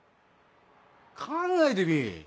考えてみぃ